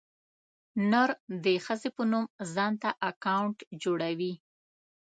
نر د ښځې په نوم ځانته اکاونټ جوړوي.